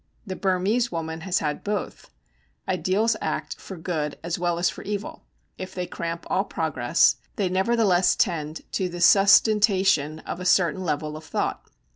The Burmese woman has had both. Ideals act for good as well as for evil; if they cramp all progress, they nevertheless tend to the sustentation of a certain level of thought.